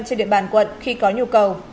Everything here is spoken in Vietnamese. trên địa bàn quận khi có nhu cầu